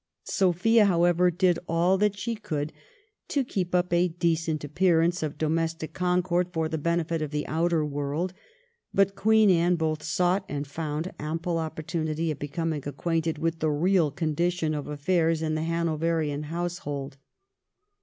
Sophia, however, did all that she could to keep up a decent appearance of domestic concord for the benefit of the outer world, but Queen Anne both sought and found ample opportunity of becoming acquainted with the real condition of affairs in the Hanoverian household.